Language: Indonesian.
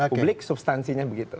publik substansinya begitu